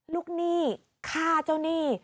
หนี้ฆ่าเจ้าหนี้